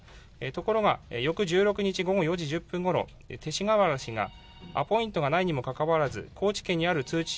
ところが、翌１６日午後４時１０分ごろ、勅使河原氏がアポイントがないにもかかわらず、高知県にある通知